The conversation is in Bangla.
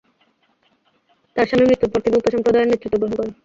তার স্বামী মৃত্যুর পর, তিনি উক্ত সম্প্রদায়ের নেতৃত্ব গ্রহণ করেন।